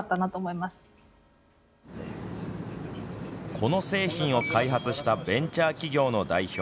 この製品を開発したベンチャー企業の代表